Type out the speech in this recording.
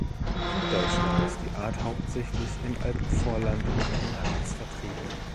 In Deutschland ist die Art hauptsächlich im Alpenvorland und im Harz vertreten.